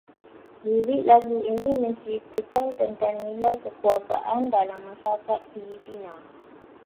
Lirik lagu ini menceritakan tentang nilai kekeluargaan dalam masyarakat Filipina